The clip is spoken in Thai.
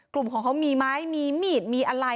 กลุ่มของเขามีไม้มีมีดมีอะไร